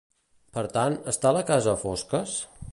Per tant, està la casa a fosques?